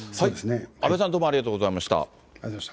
阿部さん、どうもありがとうござありがとうございました。